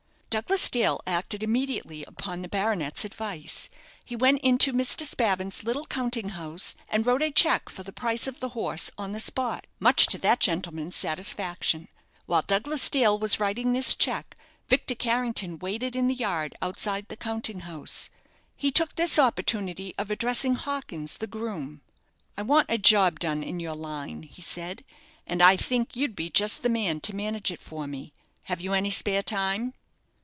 Douglas Dale acted immediately upon the baronet's advice. He went into Mr. Spavin's little counting house, and wrote a cheque for the price of the horse on the spot, much to that gentleman's satisfaction. While Douglas Dale was writing this cheque, Victor Carrington waited in the yard outside the counting house. He took this opportunity of addressing Hawkins, the groom. "I want a job done in your line," he said, "and I think you'd be just the man to manage it for me. Have you any spare time?"